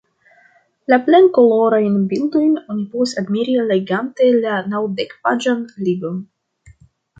La plenkolorajn bildojn oni povas admiri legante la naŭdekpaĝan libron.